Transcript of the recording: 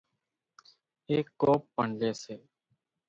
ايڪ ڪوپ پڻ لئي سي۔